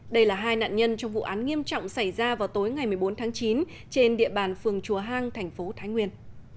đây là hai nạn nhân trong vụ án nghiêm trọng xảy ra vào tối ngày một mươi bốn tháng chín trên địa bàn phường chùa hang thành phố thái nguyên